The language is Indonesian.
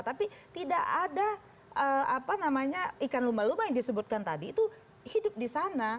tapi tidak ada ikan lumba lumba yang disebutkan tadi itu hidup di sana